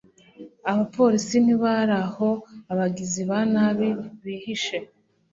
abapolisi ntibazi aho abagizi ba nabi bihishe